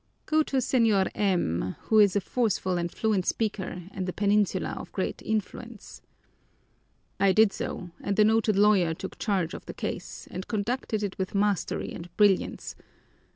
Go to Señor M , who is a forceful and fluent speaker and a Peninsular of great influence.' I did so, and the noted lawyer took charge of the case, and conducted it with mastery and brilliance.